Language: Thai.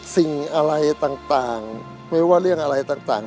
สิ่งอะไรต่างไม่ว่าเรื่องอะไรต่าง